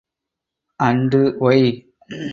And Why?